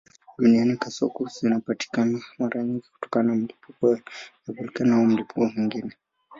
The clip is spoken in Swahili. Duniani kasoko zinapatikana mara nyingi kutokana na milipuko ya volkeno au milipuko mingine.